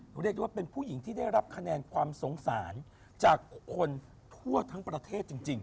เรียกได้ว่าเป็นผู้หญิงที่ได้รับคะแนนความสงสารจากคนทั่วทั้งประเทศจริง